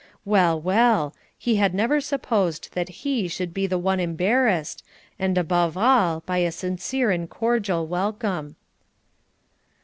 Well, well; he had never supposed that he should be the one embarrassed, and above all by a sincere and cordial welcome.